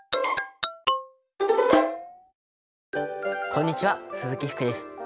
こんにちは鈴木福です。